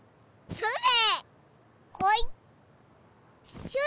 それ！